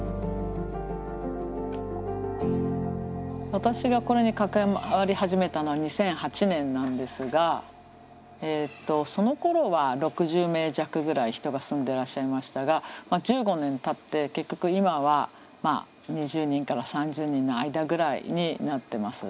私がこれに関わり始めたのは２００８年なんですがえっとそのころは６０名弱ぐらい人が住んでらっしゃいましたが１５年たって結局今は２０人から３０人の間ぐらいになってます。